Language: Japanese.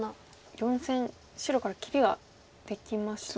４線白から切りができましたが。